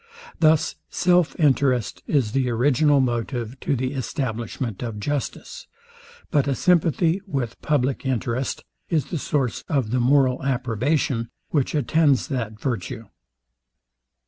Thus self interest is the original motive to the establishment of justice: but a sympathy with public interest is the source of the moral approbation, which attends that virtue.